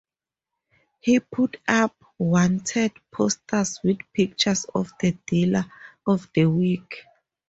He put up "Wanted" posters with pictures of the Dealer of the Week.